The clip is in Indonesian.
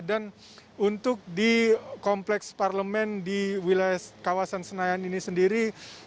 dan untuk di kompleks parlemen di wilayah kawasan senayan ini sendiri